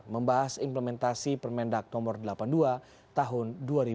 membahas implementasi permendak no delapan puluh dua tahun dua ribu tujuh belas